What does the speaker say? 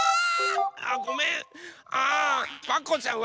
あごめん。